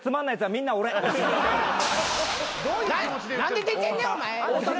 何で出てんねんお前。